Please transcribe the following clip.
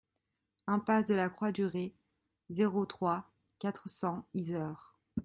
Impasse de la Croix du Retz, zéro trois, quatre cents Yzeure